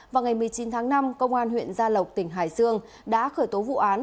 vào ngày một mươi chín tháng năm công an huyện gia lộc tỉnh hải dương đã khởi tố vụ án